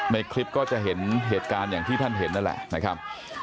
ในคลิปก็จะเห็นเหตุการณ์อย่างที่ท่านเห็นนั่นแหละนะครับ